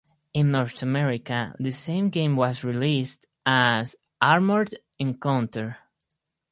In North America, the same game was released as Armored Encounter!